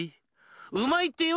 うまいってよ。